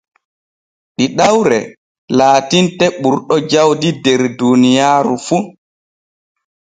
Ɗiɗawre laatinte ɓurɗo jawdi der duuniyaaru fu.